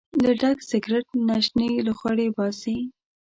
له ډک سګرټ نه شنې لوخړې باسي.